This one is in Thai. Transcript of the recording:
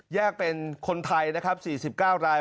แยกเป็นคนไทย๔๙ราย